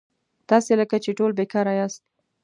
تاسي لکه چې ټول بېکاره یاست.